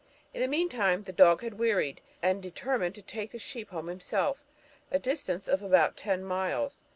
In the meantime the dog had wearied, and determined to take the sheep home himself, a distance of about ten miles.